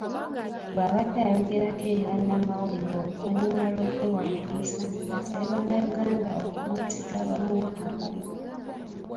Bw'abadde ayogerako eri bannamawulire oluvannyuma lw'okwewandiisa, asabye bannayuganda okumwesiga bamuwe akalulu.